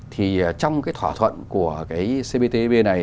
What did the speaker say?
thì trong thỏa thuận của cptpp này